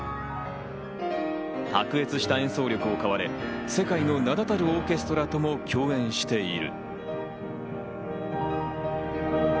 卓越した演奏力を買われ、世界の名だたるオーケストラとも協演している。